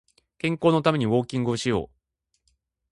健康のためにウォーキングをしよう